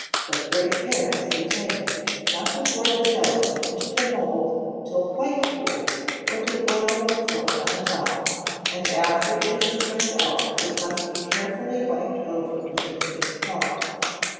but great care must be taken not to pour the jelly into the mould till quite cool, or the oil will float on the top, and after it is turned out it must be carefully wiped over with a clean cloth.